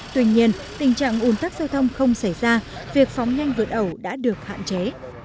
tuy nhiên tình trạng ủn tắc giao thông không xảy ra việc phóng nhanh vượt ẩu đã được hạn chế